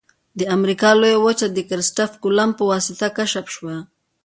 د امریکا لویه وچه د کرستف کولمب په واسطه کشف شوه.